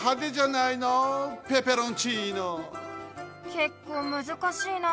けっこうむずかしいな。